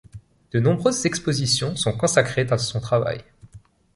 De nombreuses expositions sont consacrées à son travail.